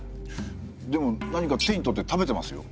でも何か手に取って食べてますよ。